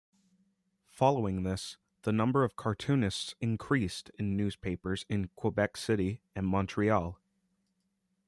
Following this, the number of cartoonists increased in newspapers in Quebec City and Montreal.